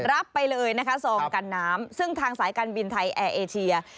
รับไปเลยนะคะซองกันน้ำซึ่งทางสายการบินไทยแอร์เอเชีย